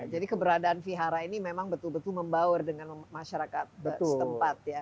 jadi keberadaan vihara ini memang betul betul membawar dengan masyarakat setempat